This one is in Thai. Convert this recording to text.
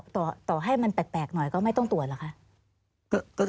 ต่อให้มันแปลกหน่อยก็ไม่ต้องตรวจหรอกคะ